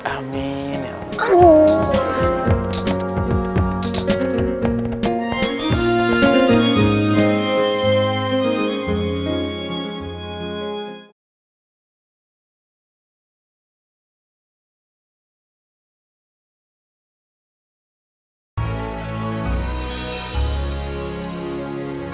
amin ya allah